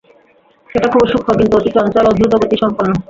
এটা খুবই সূক্ষ্ম কিন্তু অতি চঞ্চল ও দ্রুতগতিসম্পন্ন।